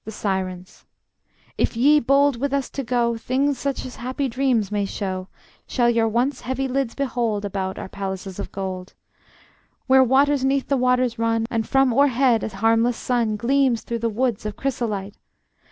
The Sirens: If ye be bold with us to go, Things such as happy dreams may show Shall your once heavy lids behold About our palaces of gold; Where waters 'neath the waters run, And from o'erhead a harmless sun Gleams through the woods of chrysolite.